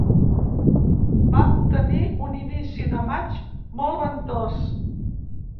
Vam tenir un inici de maig molt ventós.